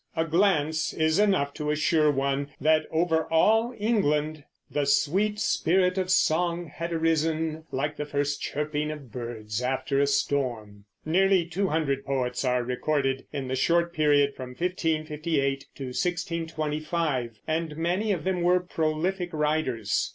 A glance is enough to assure one that over all England "the sweet spirit of song had arisen, like the first chirping of birds after a storm." Nearly two hundred poets are recorded in the short period from 1558 to 1625, and many of them were prolific writers.